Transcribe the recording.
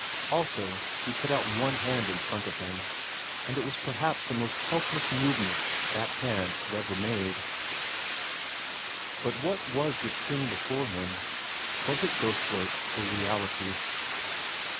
Also he put out one hand in front of him, and it was perhaps the most helpless movement that hand had ever made. But what was this thing before him? Was it ghost work or reality?